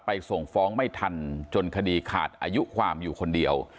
ส่งฟ้องไม่ทันจนคดีขาดอายุความอยู่คนเดียว